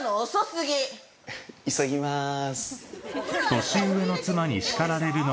急ぎます。